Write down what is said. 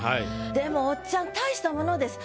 でもおっちゃん大したものです。